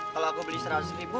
kalau aku beli seratus ribu